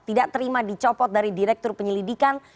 tidak terima dicopot dari direktur penyelidikan